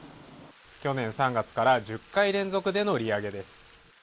去年３月から１０回連続での利上げです。